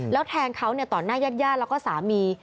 แล้วแทงเขาต่อหน้าญาติแล้วก็สามี